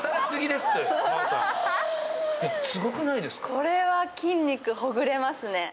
これは筋肉、ほぐれますね。